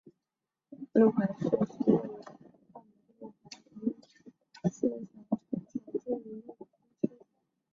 路环市区位于澳门路环恩尼斯总统前地的一个公车站。